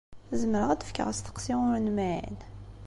Zemreɣ ad d-fkeɣ asteqsi ur nemɛin?